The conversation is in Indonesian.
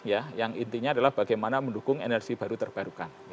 ya yang intinya adalah bagaimana mendukung energi baru terbarukan